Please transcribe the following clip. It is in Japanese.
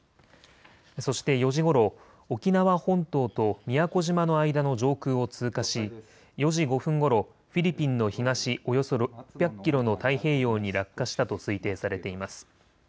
そして４時ごろ、沖縄本島と宮古島の間の上空を通過し４時５分ごろ、フィリピンの東およそ６００キロの太平洋に落下したと推定されています。